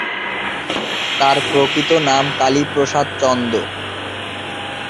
তাঁর প্রকৃত নাম কালীপ্রসাদ চন্দ।